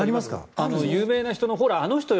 有名な人のほら、あの人よ